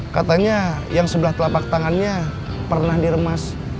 katanya yang sebelah telapak tangannya pernah diremas